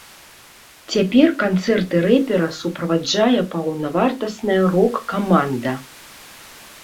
Цяпер канцэрты рэпера суправаджае паўнавартасная рок-каманда.